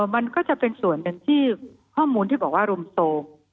มันก็จะเป็นส่วนหนึ่งที่ข้อมูลที่บอกว่ารุมโทรม